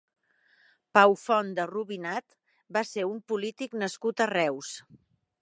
Pau Font de Rubinat va ser un polític nascut a Reus.